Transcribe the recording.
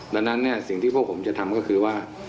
ดังนั้นสิ่งที่พวกผมจะทำก็คือว่า